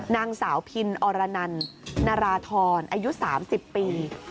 นางสาวพินอรนันนาราธรอายุ๓๐ปี